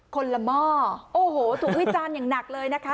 คนละหม้อโอ้โหถูกวิจารณ์อย่างหนักเลยนะคะ